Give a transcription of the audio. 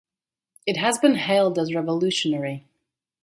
It has been hailed as revolutionary.